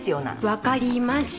分かりました。